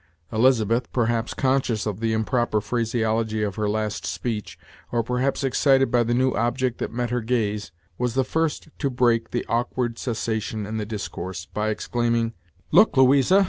Elizabeth, perhaps conscious of the improper phraseology of her last speech, or perhaps excited by the new object that met her gaze, was the first to break the awkward cessation in the discourse, by exclaiming: "Look, Louisa!